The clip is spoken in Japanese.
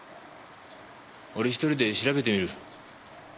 俺１人で調べてみる。